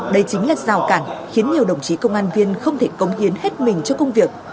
đây chính là rào cản khiến nhiều đồng chí công an viên không thể cống hiến hết mình cho công việc